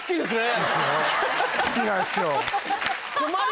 好きなんですよ。